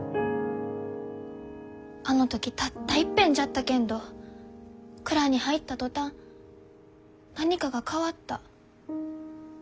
あの時たったいっぺんじゃったけんど蔵に入った途端何かが変わった。